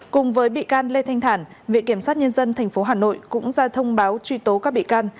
cùng với bị can lê thanh thản viện kiểm sát nhân dân tp hà nội cũng ra thông báo truy tố các bị can